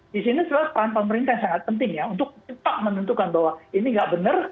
di sini pemerintah sangat penting untuk cepat menentukan bahwa ini tidak benar